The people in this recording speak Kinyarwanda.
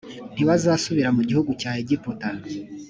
ntibazasubira mu gihugu cya egiputa